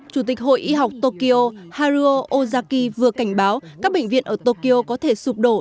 chủ tịch hội y học tokyo haruo ozaki vừa cảnh báo các bệnh viện ở tokyo có thể sụp đổ